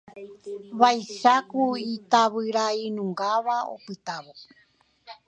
Vaicháku itavyrainungáva opytávo.